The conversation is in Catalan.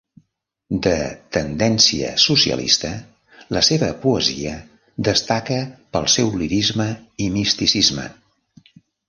De tendència socialista, la seva poesia destaca pel seu lirisme i misticisme.